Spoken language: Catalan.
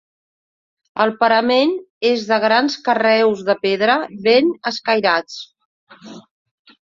El parament és de grans carreus de pedra ben escairats.